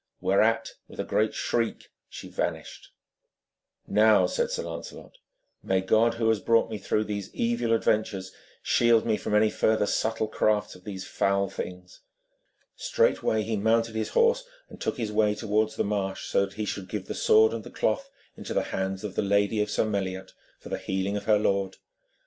Whereat, with a great shriek, she vanished. 'Now,' said Sir Lancelot, 'may God, who has brought me through these evil adventures, shield me from any further subtle crafts of these foul things.' Straightway he mounted his horse, and took his way towards the marsh, so that he should give the sword and the cloth into the hands of the lady of Sir Meliot, for the healing of her lord.